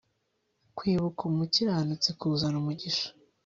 kwibuka umukiranutsi kuzana umugisha